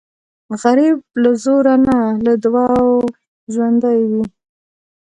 غریب له زوره نه، له دعاو ژوندی وي